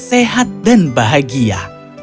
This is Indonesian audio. sehat dan bahagia